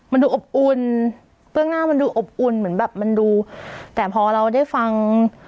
มันดูอบอุ่นเบื้องหน้ามันดูอบอุ่นเหมือนแบบมันดูแต่พอเราได้ฟัง